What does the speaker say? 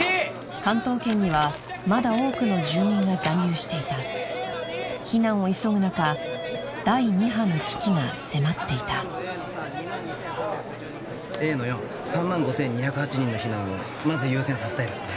関東圏にはまだ多くの住民が残留していた避難を急ぐ中第二波の危機が迫っていたＡ−４３万５２０８人の避難をまず優先させたいですね